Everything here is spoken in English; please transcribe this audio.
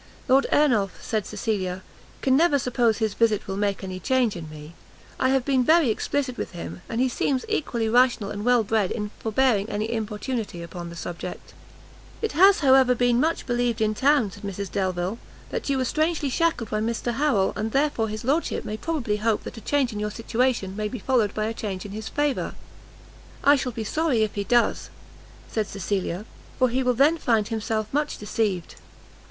"Lord Ernolf," said Cecilia, "can never suppose his visit will make any change in me; I have been very explicit with him, and he seemed equally rational and well bred in forbearing any importunity upon the subject." "It has however been much believed in town," said Mrs Delvile, "that you were strangely shackled by Mr Harrel, and therefore his lordship may probably hope that a change in your situation may be followed by a change in his favour." "I shall be sorry if he does," said Cecilia, "for he will then find himself much deceived."